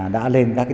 đã lên các địa phương